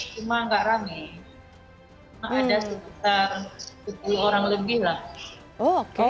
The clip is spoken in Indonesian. cuma nggak rame cuma ada sekitar sepuluh orang lebih lah